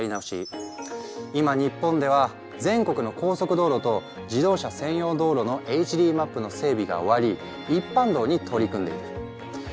今日本では全国の高速道路と自動車専用道路のＨＤマップの整備が終わり一般道に取り組んでいる。